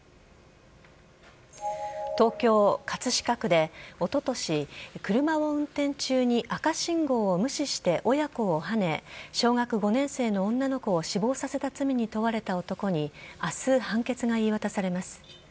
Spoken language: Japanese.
東京・葛飾区でおととし、車を運転中に赤信号を無視して親子をはね、小学５年生の女の子を死亡させた罪に問われた男に、あす判決が言い渡されます。